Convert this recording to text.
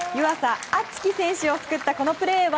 京己選手を救ったこのプレーは？